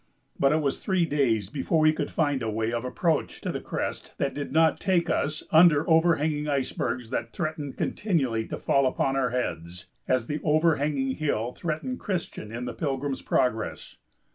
But it was three days before we could find a way of approach to the crest that did not take us under overhanging icebergs that threatened continually to fall upon our heads, as the overhanging hill threatened Christian in the "Pilgrim's Progress."